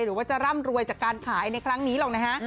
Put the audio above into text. หรือว่าจะร่ำรวยจากการขายในครั้งนี้หรอกนะฮะ